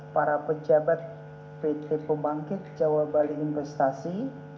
para pejabat pt pembangkit jawa bali investasi